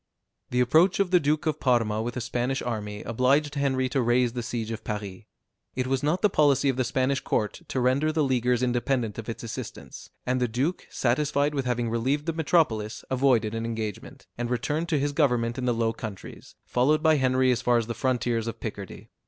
The approach of the Duke of Parma with a Spanish army obliged Henry to raise the siege of Paris. It was not the policy of the Spanish court to render the Leaguers independent of its assistance, and the duke, satisfied with having relieved the metropolis, avoided an engagement, and returned to his government in the Low Countries, followed by Henry as far as the frontiers of Picardy.